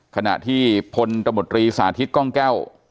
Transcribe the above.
ขณะที่พลตมตรีสาธิตกล้องแก้ว